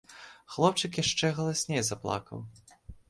Хлопчык яшчэ галасней заплакаў.